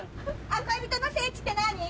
「恋人の聖地」って何？